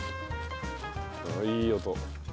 あっいい音。